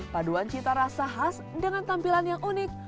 paduan cita rasa khas dengan tampilan yang unik